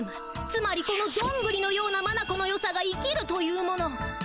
つまりこのどんぐりのようなまなこのよさが生きるというもの。